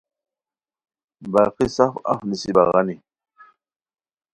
باقی سف اف نیسی بغانی